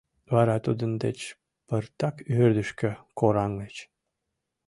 Вара тудын деч пыртак ӧрдыжкӧ кораҥыч.